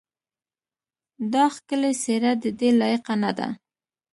دا ښکلې څېره ددې لایقه نه ده.